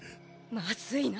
まずいな。